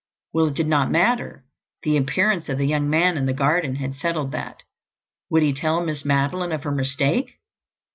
Well, it did not matter—the appearance of the young man in the garden had settled that. Would he tell Miss Madeline of her mistake?